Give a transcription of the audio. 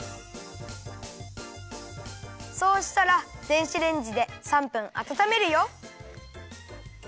そうしたら電子レンジで３分あたためるよ。